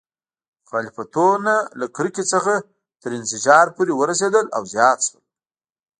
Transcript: مخالفتونه له کرکې څخه تر انزجار پورې ورسېدل او زیات شول.